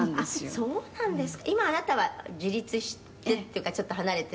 「そうなんですよ。